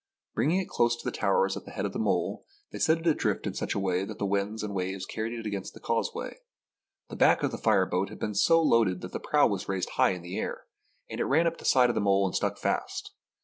Bringing it close to the towers at the head of the mole, they set it adrift in such a way that the winds and waves carried it against the causeway. The back of the fireboat had been so loaded that the prow was raised high in the air, and it ran up on the side of the mole and stuck fast.